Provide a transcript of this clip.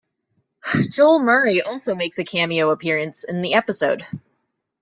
Joel Murray also makes a cameo appearance in the episode.